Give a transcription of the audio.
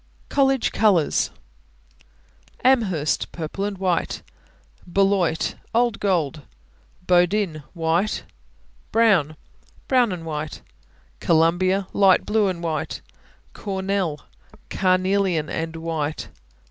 COLLEGE COLORS. Amherst Purple and white. Beloit Old gold, Bowdoin White. Brown Brown and white. Columbia Light blue and white. Cornell Carnelian and white.